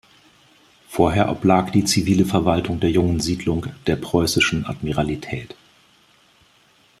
Vorher oblag die zivile Verwaltung der jungen Siedlung der preußischen Admiralität.